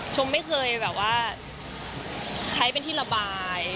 ชมไม่เคยแบบว่าใช้เป็นที่ระบาย